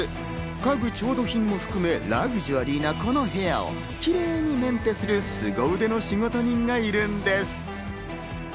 家具、調度品も含めラグジュアリーな、この部屋をキレイにメンテするスゴ腕の仕事人がいるんです。